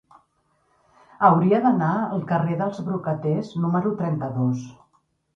Hauria d'anar al carrer dels Brocaters número trenta-dos.